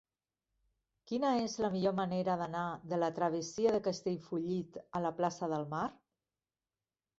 Quina és la millor manera d'anar de la travessia de Castellfollit a la plaça del Mar?